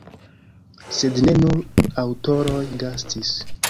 Sed ne nur aŭtoroj gastis.